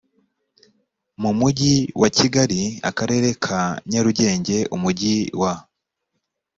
mu mugi wa kigali akarere ka nyarugenge umujyi wa